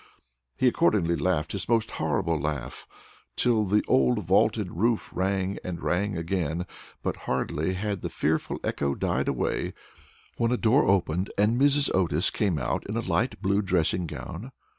He accordingly laughed his most horrible laugh, till the old vaulted roof rang and rang again, but hardly had the fearful echo died away when a door opened, and Mrs. Otis came out in a light blue dressing gown.